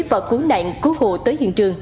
và cứu nạn cố hộ tới hiện trường